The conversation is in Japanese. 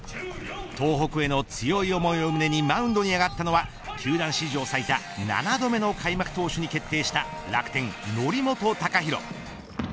東北への強い思いを胸にマウンドに上がったのは球団史上最多７度目の開幕投手に決定した楽天、則本昂大。